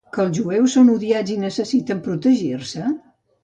Què els jueus són odiats i necessiten protegir-se?